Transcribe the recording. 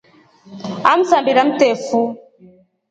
Amsambira mtefu.